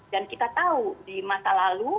dan kita tahu di masa lalu